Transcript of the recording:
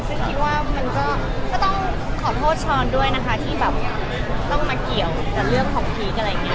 ซึ่งคิดว่ามันก็ต้องขอโทษช้อนด้วยนะคะที่แบบต้องมาเกี่ยวกับเรื่องของพีคอะไรอย่างนี้